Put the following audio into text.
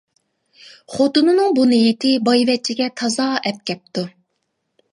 خوتۇننىڭ بۇ نىيىتى بايۋەچچىگە تازا ئەپ كەپتۇ.